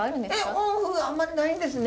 あんまりないんですね。